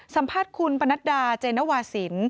สัมภาษณ์คุณปนัดดาเจนวาสิน